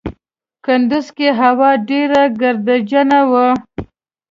کندوز کې هوا ډېره ګردجنه وه.